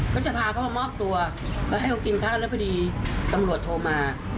ก็จะพาเขามามอบตัวก็ให้เขากินข้าวแล้วพอดีตำรวจโทรมา